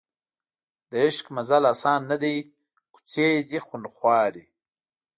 د عشق مزل اسان نه دی کوڅې یې دي خونخوارې